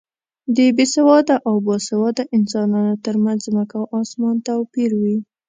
د بې سواده او با سواده انسانو تر منځ ځمکه او اسمان توپیر وي.